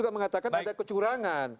kita kan ada kecurangan